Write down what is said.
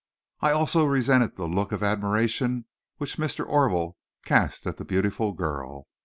I also resented the looks of admiration which Mr. Orville cast at the beautiful girl.